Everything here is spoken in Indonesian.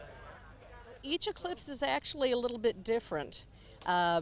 setiap eklips sebenarnya agak berbeda